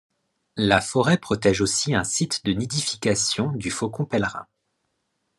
La forêt protège aussi un site de nidification du faucon pèlerin.